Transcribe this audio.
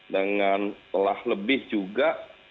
dengan telah lebih juga